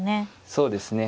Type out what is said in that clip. そうですね。